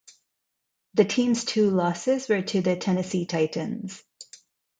The team's two losses were to the Tennessee Titans.